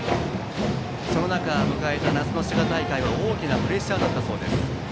その中で迎えた夏の滋賀大会は大きなプレッシャーだったそうです。